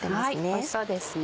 おいしそうですね。